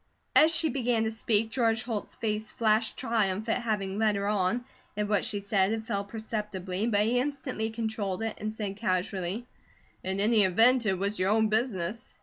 As she began to speak, George Holt's face flashed triumph at having led her on; at what she said it fell perceptibly, but he instantly controlled it and said casually: "In any event, it was your own business."